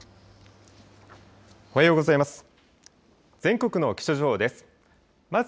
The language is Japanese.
おはようございます。